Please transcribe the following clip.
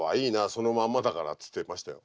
そのまんまだから」って言ってましたよ。